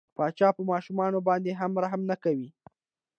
پاچا په ماشومان باندې هم رحم نه کوي.